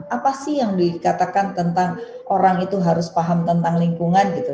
apa sih yang dikatakan tentang orang itu harus paham tentang lingkungan gitu